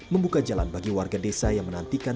membuka jalan bagi warga desa yang menantikan